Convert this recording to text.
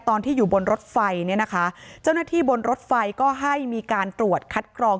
ตอนที่อยู่บนรถไฟเนี่ยนะคะเจ้าหน้าที่บนรถไฟก็ให้มีการตรวจคัดกรอง